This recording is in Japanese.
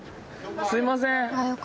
すいません！